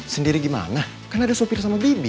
sendiri gimana kan ada sopir sama bibi